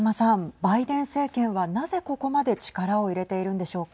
バイデン政権はなぜ、ここまで力を入れているんでしょうか。